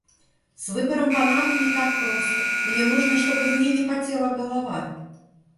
С выбором панамы не так просто. Мне нужно, чтобы в ней не потела голова.